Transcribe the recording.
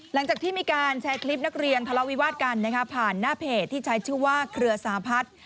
หลังจากที่มีการแชร์คลิปนักเรียนทะเลาวิวาสกันผ่านหน้าเพจที่ใช้ชื่อว่าเครือสาพัฒน์